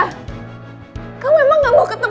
kamu emang gak mau ketemu sama orang sejahat kamu